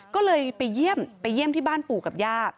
ก็เลยไปเยี่ยมไปเยี่ยมที่บ้านปู่กับย่า